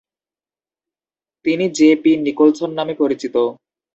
তিনি J. P. Nicholson নামে পরিচিত।